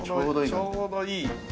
ちょうどいい。